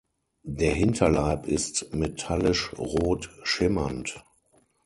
Der Hinterleib ist metallisch rot schimmernd.